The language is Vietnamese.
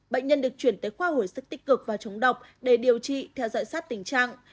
bệnh nhân được chuyển tới khoa hồi sức tích cực và chống độc để điều trị theo dõi sát tình trạng